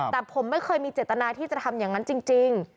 แต่ผมไม่เคยมีเจตนาที่จะทำอย่างนั้นจริง